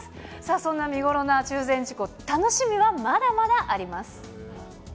そんな見頃な中禅寺湖、楽しみはまだまだあります。